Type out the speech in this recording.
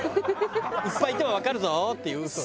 「いっぱいいてもわかるぞ」っていう嘘を。